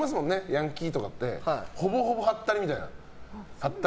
ヤンキーとかってほぼほぼ、はったりみたいな。